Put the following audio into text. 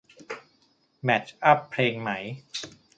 แมชอัปเพลงไหม